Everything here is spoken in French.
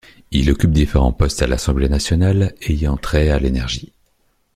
Il occupe différents postes à l'Assemblée nationale ayant trait à l'énergie.